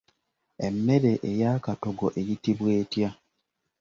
Emmere ey'akatogo eyitibwa etya?